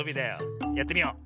やってみよう。